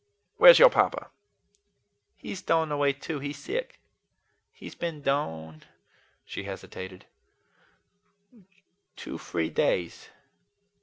"Where's your papa?" "He's dorn away too. He's sick. He's been dorn" she hesitated "two, free, days."